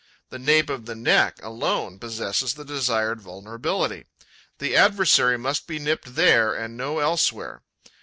The nape of the neck alone possesses the desired vulnerability. The adversary must be nipped there and no elsewhere.